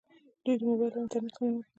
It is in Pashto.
دوی د موبایل او انټرنیټ خدمات لري.